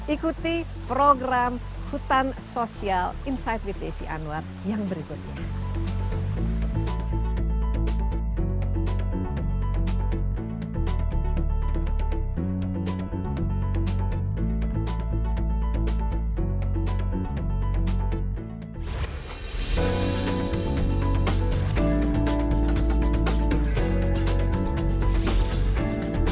ikuti program hutan sosial insight with desi anwar yang berikutnya